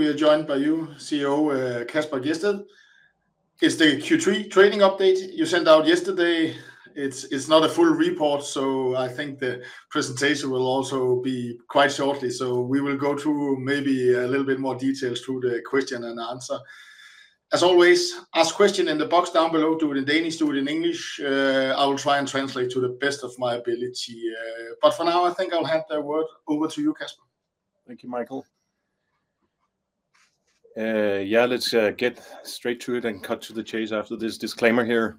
We are joined by you, CEO Kasper Gjedsted. It's the Q3 training update you sent out yesterday. It's not a full report, so I think the presentation will also be quite shortly. So we will go through maybe a little bit more details through the question and answer. As always, ask questions in the box down below, do it in Danish, do it in English. I will try and translate to the best of my ability. But for now, I think I'll hand the word over to you, Kasper. Thank you, Michael. Yeah, let's get straight to it and cut to the chase after this disclaimer here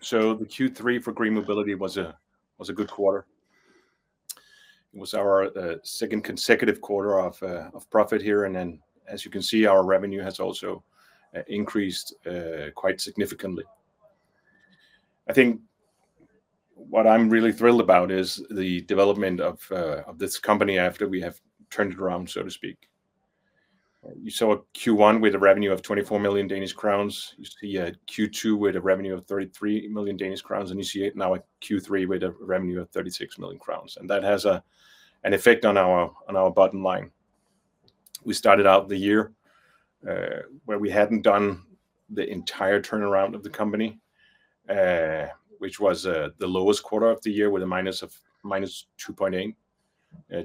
so the Q3 for GreenMobility was a good quarter. It was our second consecutive quarter of profit here and then, as you can see, our revenue has also increased quite significantly. I think what I'm really thrilled about is the development of this company after we have turned it around, so to speak. You saw Q1 with a revenue of 24 million Danish crowns. You see Q2 with a revenue of 33 million Danish crowns and you see now a Q3 with a revenue of 36 million crowns and that has an effect on our bottom line. We started out the year where we hadn't done the entire turnaround of the company, which was the lowest quarter of the year with a minus of -2.8 million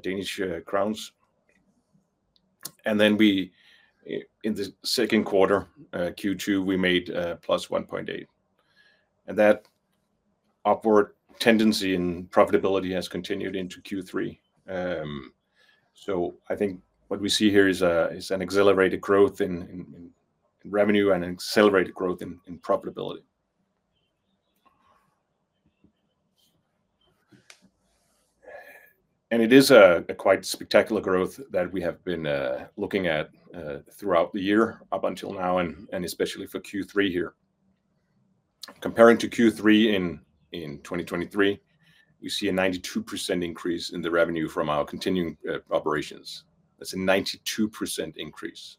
Danish crowns. And then in the second quarter, Q2, we made plus 1.8. And that upward tendency in profitability has continued into Q3. So I think what we see here is an accelerated growth in revenue and an accelerated growth in profitability. And it is a quite spectacular growth that we have been looking at throughout the year up until now, and especially for Q3 here. Comparing to Q3 in 2023, we see a 92% increase in the revenue from our continuing operations. That's a 92% increase.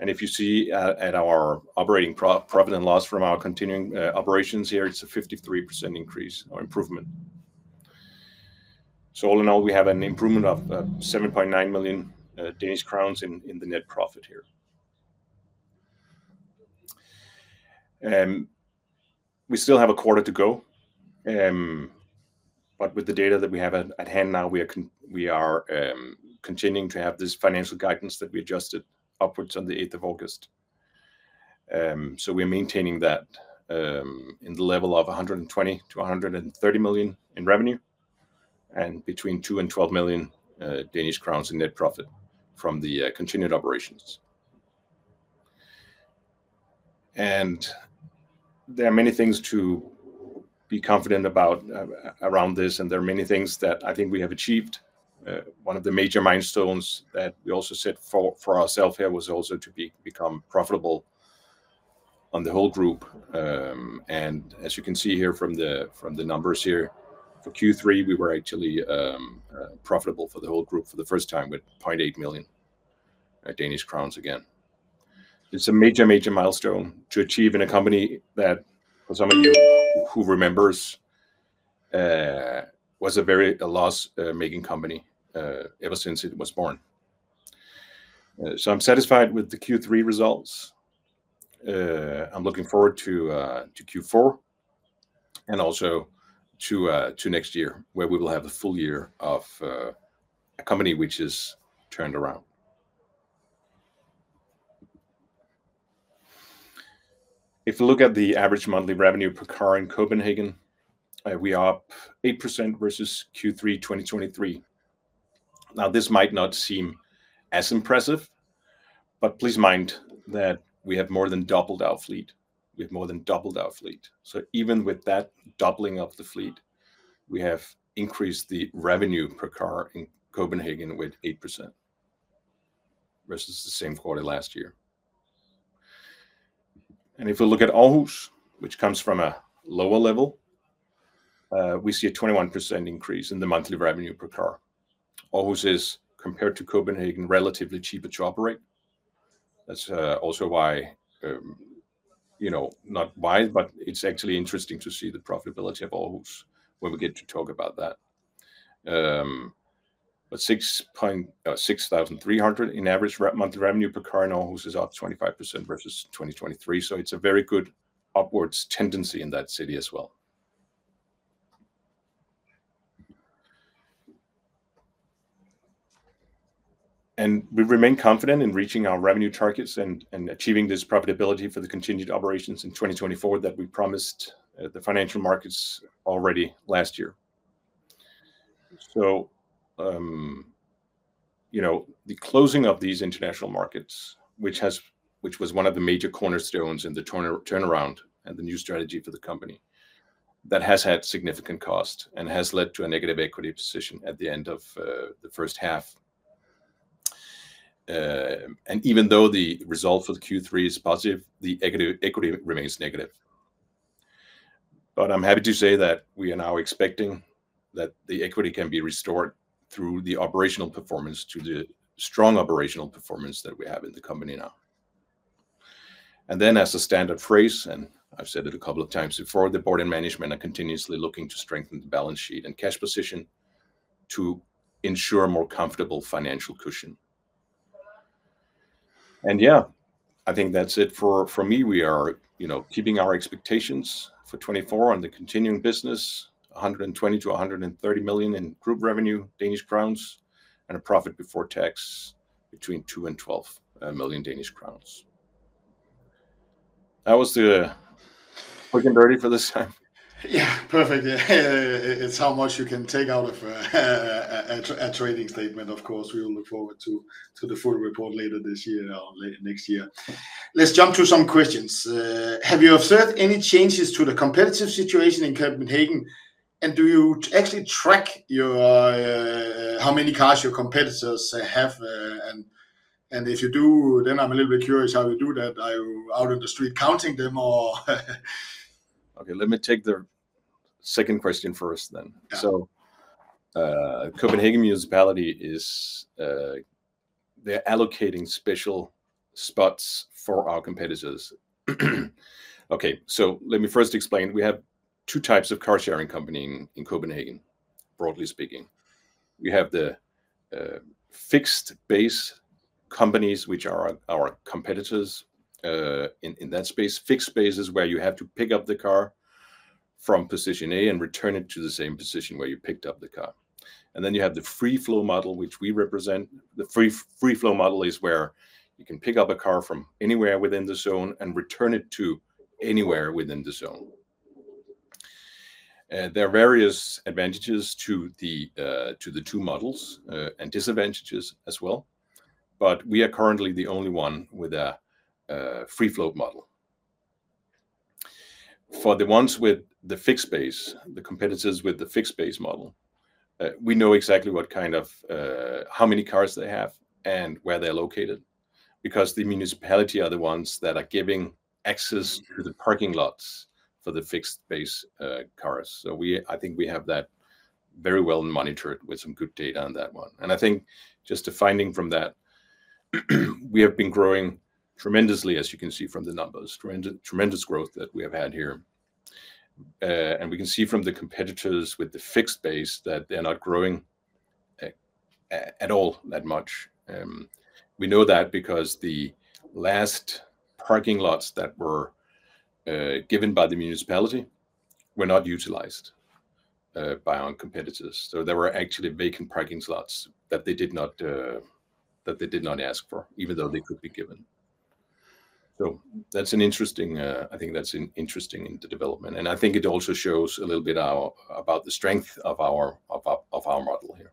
And if you see at our operating profit and loss from our continuing operations here, it's a 53% increase or improvement. So all in all, we have an improvement of 7.9 million Danish crowns in the net profit here. We still have a quarter to go. But with the data that we have at hand now, we are continuing to have this financial guidance that we adjusted upwards on the 8th of August. So we're maintaining that in the level of 120-130 million in revenue and between 2 million and 12 million Danish crowns in net profit from the continued operations. And there are many things to be confident about around this. And there are many things that I think we have achieved. One of the major milestones that we also set for ourselves here was also to become profitable on the whole group. And as you can see here from the numbers here, for Q3, we were actually profitable for the whole group for the first time with 0.8 million Danish crowns again. It's a major, major milestone to achieve in a company that, for some of you who remember, was a very loss-making company ever since it was born. So I'm satisfied with the Q3 results. I'm looking forward to Q4 and also to next year, where we will have a full year of a company which has turned around. If we look at the average monthly revenue per car in Copenhagen, we are up 8% versus Q3 2023. Now, this might not seem as impressive, but please mind that we have more than doubled our fleet. We have more than doubled our fleet. So even with that doubling of the fleet, we have increased the revenue per car in Copenhagen with 8% versus the same quarter last year. And if we look at Aarhus, which comes from a lower level, we see a 21% increase in the monthly revenue per car. Aarhus is, compared to Copenhagen, relatively cheaper to operate. That's also why, not why, but it's actually interesting to see the profitability of Aarhus when we get to talk about that. But 6,300 in average monthly revenue per car in Aarhus is up 25% versus 2023. So it's a very good upwards tendency in that city as well. And we remain confident in reaching our revenue targets and achieving this profitability for the continued operations in 2024 that we promised the financial markets already last year. So the closing of these international markets, which was one of the major cornerstones in the turnaround and the new strategy for the company, that has had significant cost and has led to a negative equity position at the end of the first half. And even though the result for the Q3 is positive, the equity remains negative. I'm happy to say that we are now expecting that the equity can be restored through the operational performance to the strong operational performance that we have in the company now. And then, as a standard phrase, and I've said it a couple of times before, the board and management are continuously looking to strengthen the balance sheet and cash position to ensure a more comfortable financial cushion. And yeah, I think that's it for me. We are keeping our expectations for 2024 on the continuing business, 120-130 million in group revenue, and a profit before tax between 2 million and 12 million Danish crowns. That was the quick and dirty for this time. Yeah, perfect. It's how much you can take out of a trading statement, of course. We will look forward to the full report later this year or next year. Let's jump to some questions. Have you observed any changes to the competitive situation in Copenhagen? And do you actually track how many cars your competitors have? And if you do, then I'm a little bit curious how you do that. Are you out in the street counting them or? Okay, let me take the second question first then. So Copenhagen Municipality, they're allocating special spots for our competitors. Okay, so let me first explain. We have two types of car-sharing company in Copenhagen, broadly speaking. We have the fixed base companies, which are our competitors in that space. Fixed base is where you have to pick up the car from position A and return it to the same position where you picked up the car. And then you have the free flow model, which we represent. The free flow model is where you can pick up a car from anywhere within the zone and return it to anywhere within the zone. There are various advantages to the two models and disadvantages as well. But we are currently the only one with a free float model. For the ones with the fixed base, the competitors with the fixed base model, we know exactly what kind of how many cars they have and where they're located because the municipality are the ones that are giving access to the parking lots for the fixed base cars. So I think we have that very well monitored with some good data on that one. And I think just the finding from that, we have been growing tremendously, as you can see from the numbers, tremendous growth that we have had here. And we can see from the competitors with the fixed base that they're not growing at all that much. We know that because the last parking lots that were given by the municipality were not utilized by our competitors. So there were actually vacant parking slots that they did not ask for, even though they could be given. So, I think that's interesting in the development. And I think it also shows a little bit about the strength of our model here.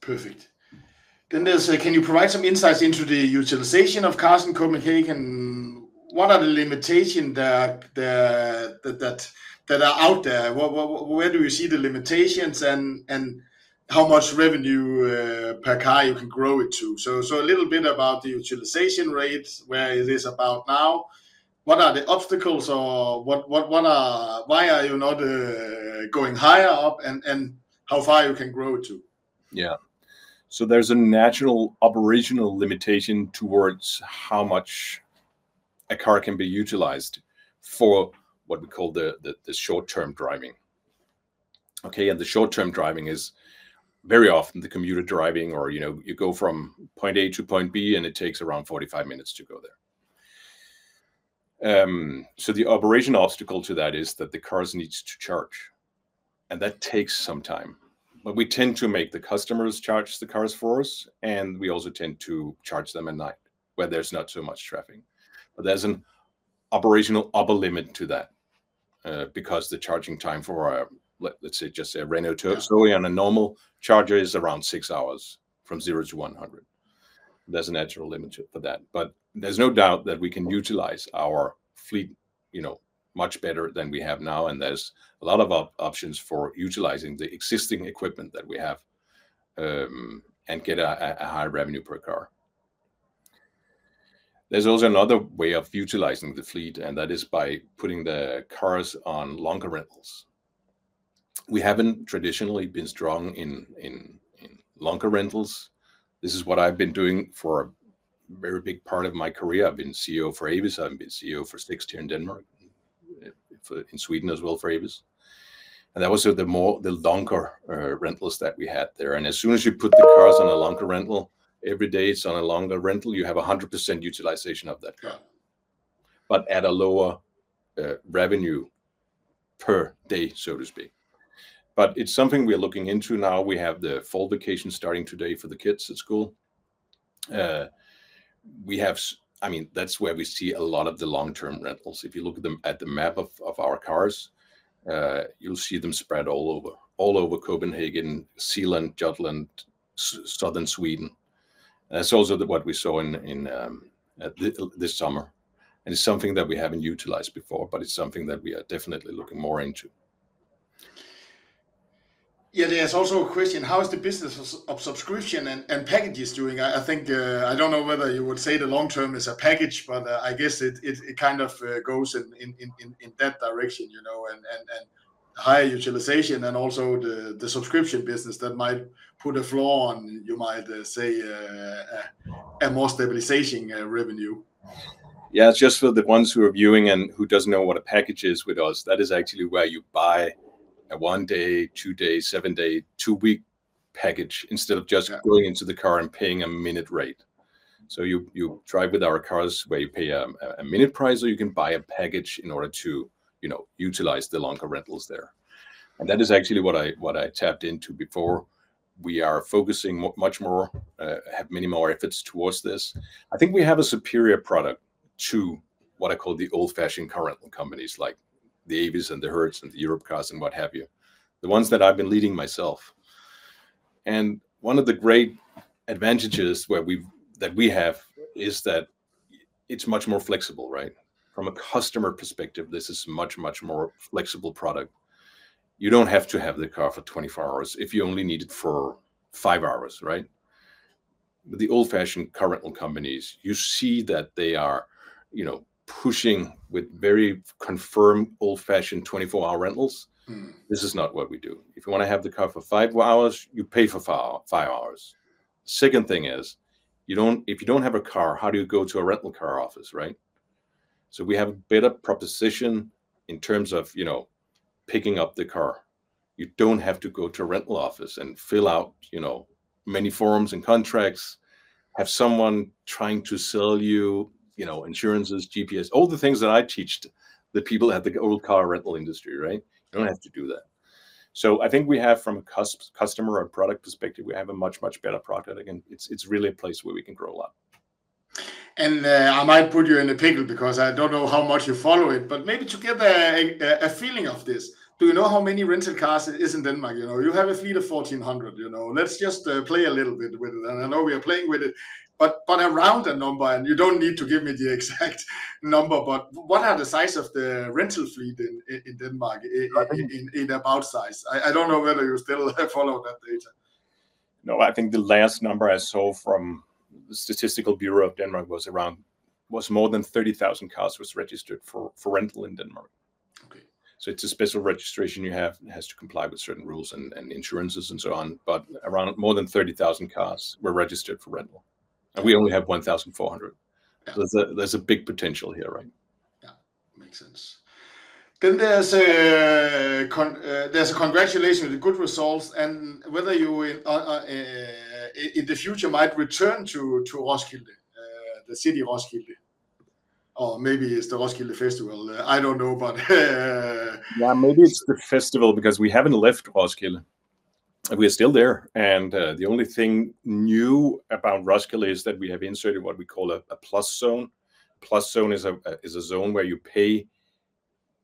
Perfect. Then can you provide some insights into the utilization of cars in Copenhagen? What are the limitations that are out there? Where do you see the limitations and how much revenue per car you can grow it to? So a little bit about the utilization rate, where it is about now. What are the obstacles or why are you not going higher up and how far you can grow it to? Yeah. So there's a natural operational limitation towards how much a car can be utilized for what we call the short-term driving. Okay, and the short-term driving is very often the commuter driving or you go from point A to point B and it takes around 45 minutes to go there. So the operational obstacle to that is that the cars need to charge. And that takes some time. But we tend to make the customers charge the cars for us. And we also tend to charge them at night when there's not so much traffic. But there's an operational upper limit to that because the charging time for, let's say, just a Renault Toyota on a normal charger is around six hours from zero to 100. There's an actual limit for that. But there's no doubt that we can utilize our fleet much better than we have now. And there's a lot of options for utilizing the existing equipment that we have and get a high revenue per car. There's also another way of utilizing the fleet, and that is by putting the cars on longer rentals. We haven't traditionally been strong in longer rentals. This is what I've been doing for a very big part of my career. I've been CEO for Avis. I've been CEO for Sixt here in Denmark, in Sweden as well for Avis. And that was the longer rentals that we had there. And as soon as you put the cars on a longer rental, every day it's on a longer rental, you have 100% utilization of that car, but at a lower revenue per day, so to speak. But it's something we're looking into now. We have the fall vacation starting today for the kids at school. I mean, that's where we see a lot of the long-term rentals. If you look at the map of our cars, you'll see them spread all over Copenhagen, Zealand, Jutland, Southern Sweden. And that's also what we saw this summer. And it's something that we haven't utilized before, but it's something that we are definitely looking more into. Yeah, there's also a question. How is the business of subscription and packages doing? I don't know whether you would say the long-term is a package, but I guess it kind of goes in that direction, you know, and higher utilization and also the subscription business that might put a floor on, you might say, a more stabilization revenue. Yeah, just for the ones who are viewing and who don't know what a package is with us, that is actually where you buy a one-day, two-day, seven-day, two-week package instead of just going into the car and paying a minute rate. So you drive with our cars where you pay a minute price or you can buy a package in order to utilize the longer rentals there. And that is actually what I tapped into before. We are focusing much more, have many more efforts towards this. I think we have a superior product to what I call the old-fashioned car rental companies like the Avis and the Hertz and the Europcar and what have you, the ones that I've been leading myself. And one of the great advantages that we have is that it's much more flexible, right? From a customer perspective, this is a much, much more flexible product. You don't have to have the car for 24 hours if you only need it for five hours, right? The old-fashioned car rental companies, you see that they are pushing with very confirmed old-fashioned 24-hour rentals. This is not what we do. If you want to have the car for five hours, you pay for five hours. The second thing is, if you don't have a car, how do you go to a rental car office, right? So we have a better proposition in terms of picking up the car. You don't have to go to a rental office and fill out many forms and contracts, have someone trying to sell you insurances, GPS, all the things that I teach the people at the old car rental industry, right? You don't have to do that. So I think we have, from a customer or product perspective, we have a much, much better product. Again, it's really a place where we can grow a lot. I might put you in a pickle because I don't know how much you follow it, but maybe to get a feeling of this, do you know how many rental cars are in Denmark? You have a fleet of 1,400. Let's just play a little bit with it. And I know we are playing with it, but around the number, and you don't need to give me the exact number, but what are the size of the rental fleet in Denmark in about size? I don't know whether you still follow that data. No, I think the last number I saw from the Statistical Bureau of Denmark was around, was more than 30,000 cars were registered for rental in Denmark. So it's a special registration you have and has to comply with certain rules and insurances and so on. But around more than 30,000 cars were registered for rental. And we only have 1,400. There's a big potential here, right? Yeah, makes sense. Then there's a congratulation with good results and whether you in the future might return to Roskilde, the city Roskilde, or maybe it's the Roskilde Festival. I don't know, but. Yeah, maybe it's the festival because we haven't left Roskilde. We are still there, and the only thing new about Roskilde is that we have inserted what we call a Plus Zone. Plus Zone is a zone where you pay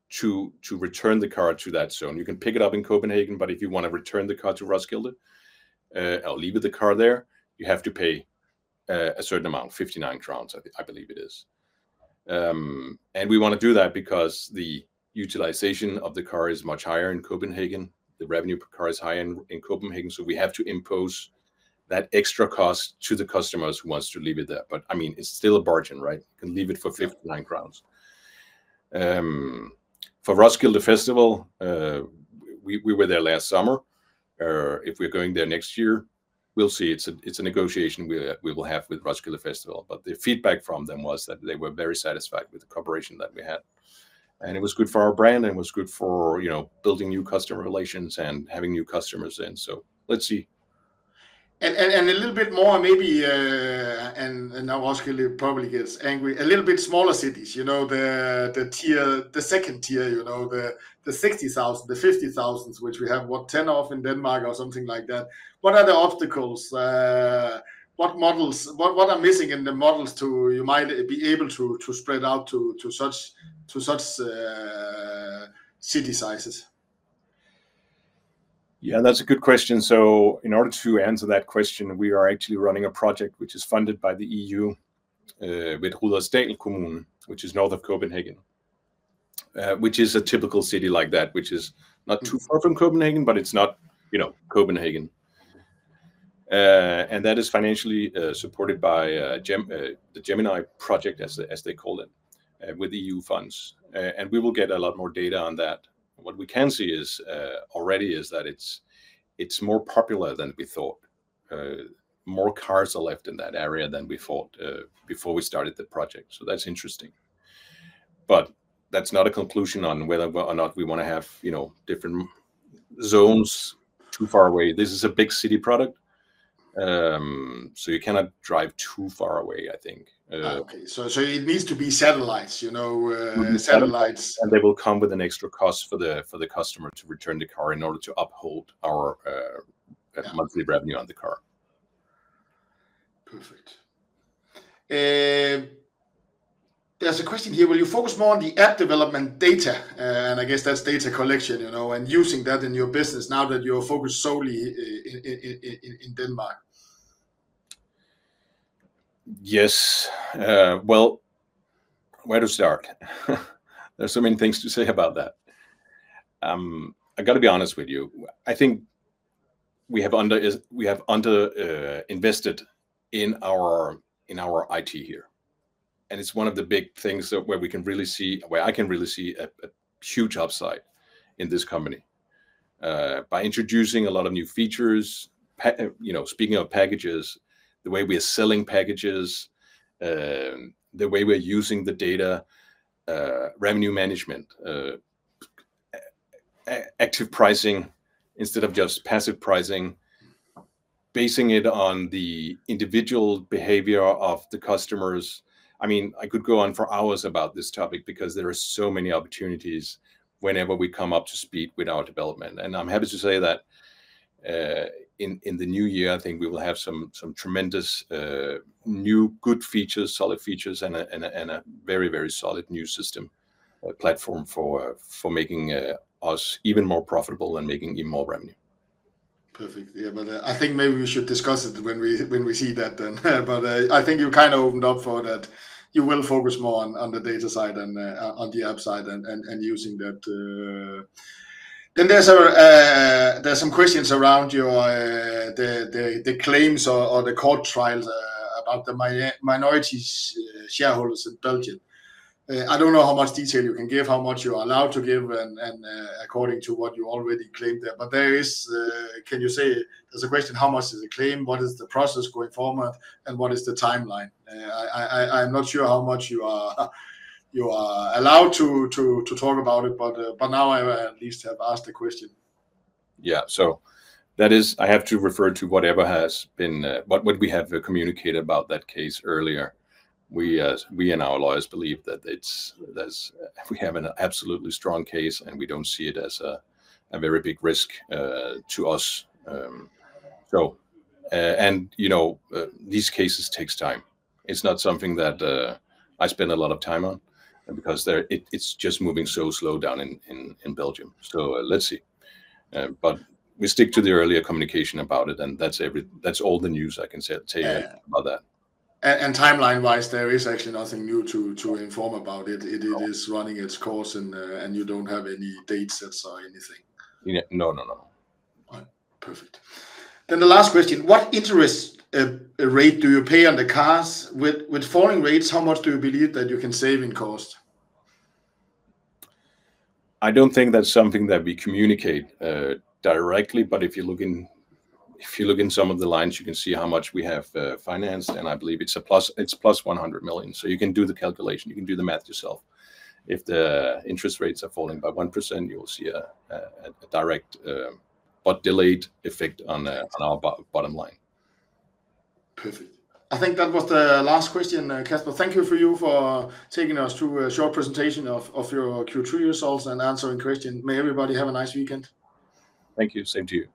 to return the car to that zone. You can pick it up in Copenhagen, but if you want to return the car to Roskilde, or leave with the car there, you have to pay a certain amount, 59 crowns, I believe it is. And we want to do that because the utilization of the car is much higher in Copenhagen. The revenue per car is higher in Copenhagen, so we have to impose that extra cost to the customers who want to leave it there, but I mean, it's still a bargain, right? You can leave it for 59 crowns. For Roskilde Festival, we were there last summer. If we're going there next year, we'll see. It's a negotiation we will have with Roskilde Festival, but the feedback from them was that they were very satisfied with the cooperation that we had, and it was good for our brand and it was good for building new customer relations and having new customers in, so let's see. And a little bit more, maybe, and now Roskilde probably gets angry, a little bit smaller cities, you know, the tier, the second tier, you know, the 60,000, the 50,000, which we have what, 10 of in Denmark or something like that. What are the obstacles? What models, what are missing in the models to you might be able to spread out to such city sizes? Yeah, that's a good question. So in order to answer that question, we are actually running a project which is funded by the EU with Rudersdal Kommune, which is north of Copenhagen, which is a typical city like that, which is not too far from Copenhagen, but it's not Copenhagen. And that is financially supported by the Gemini Project, as they call it, with EU funds. And we will get a lot more data on that. What we can see already is that it's more popular than we thought. More cars are left in that area than we thought before we started the project. So that's interesting. But that's not a conclusion on whether or not we want to have different zones too far away. This is a big city product. So you cannot drive too far away, I think. Okay, so it needs to be satellites, you know, satellites. They will come with an extra cost for the customer to return the car in order to uphold our monthly revenue on the car. Perfect. There's a question here. Will you focus more on the app development data, and I guess that's data collection, you know, and using that in your business now that you're focused solely in Denmark. Yes. Well, where to start? There's so many things to say about that. I got to be honest with you. I think we have underinvested in our IT here. And it's one of the big things where we can really see, where I can really see a huge upside in this company by introducing a lot of new features, speaking of packages, the way we are selling packages, the way we're using the data, revenue management, active pricing instead of just passive pricing, basing it on the individual behavior of the customers. I mean, I could go on for hours about this topic because there are so many opportunities whenever we come up to speed with our development. I'm happy to say that in the new year, I think we will have some tremendous new good features, solid features, and a very, very solid new system platform for making us even more profitable and making even more revenue. Perfect. Yeah, but I think maybe we should discuss it when we see that then, but I think you kind of opened up for that. You will focus more on the data side and on the app side and using that, then there's some questions around the claims or the court trials about the minority shareholders in Belgium. I don't know how much detail you can give, how much you are allowed to give according to what you already claimed there, but there is, can you say, there's a question, how much is the claim? What is the process going forward, and what is the timeline? I'm not sure how much you are allowed to talk about it, but now I at least have asked the question. Yeah, so that is. I have to refer to whatever has been, what we have communicated about that case earlier. We and our lawyers believe that we have an absolutely strong case, and we don't see it as a very big risk to us. You know, these cases take time. It's not something that I spend a lot of time on because it's just moving so slow down in Belgium. Let's see. We stick to the earlier communication about it. That's all the news I can say about that. Timeline-wise, there is actually nothing new to inform about it. It is running its course and you don't have any dates or anything. No, no, no. Perfect. Then the last question, what interest rate do you pay on the cars? With falling rates, how much do you believe that you can save in cost? I don't think that's something that we communicate directly, but if you look in some of the lines, you can see how much we have financed, and I believe it's plus 100 million, so you can do the calculation. You can do the math yourself. If the interest rates are falling by 1%, you will see a direct but delayed effect on our bottom line. Perfect. I think that was the last question, Kasper. Thank you for taking us to a short presentation of your Q2 results and answering questions. May everybody have a nice weekend. Thank you. Same to you.